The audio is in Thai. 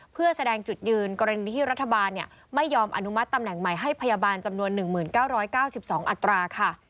เพื่อแสดงจุดยืนกรณีที่รัฐบาลไม่ยอมอนุมัติตำแหน่งใหม่ให้พยาบาลจำนวน๑๙๙๒อัตราค่ะ